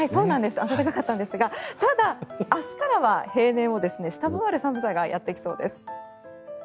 暖かかったんですがただ、明日からは平年を下回る寒さがやってきそうです。